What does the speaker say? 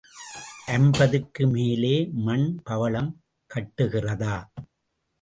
ஐம்பதுக்கு மேலே மண் பவழம் கட்டுகிறதா?